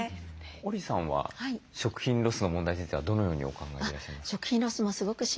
織さんは食品ロスの問題についてはどのようにお考えでいらっしゃいますか？